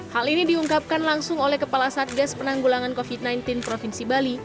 hal ini diungkapkan langsung oleh kepala satgas penanggulangan covid sembilan belas provinsi bali